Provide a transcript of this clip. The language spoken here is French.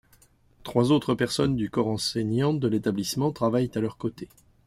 Trois autres personnes du corps enseignant de l'établissement travaillent à leurs côtés.